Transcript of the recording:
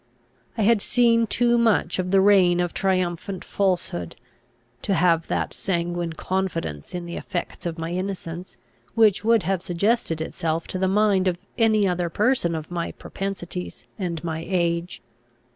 I had seen too much of the reign of triumphant falsehood, to have that sanguine confidence in the effects of my innocence, which would have suggested itself to the mind of any other person of my propensities and my age.